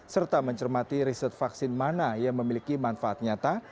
serta mencermati riset vaksin mana yang memiliki manfaat nyata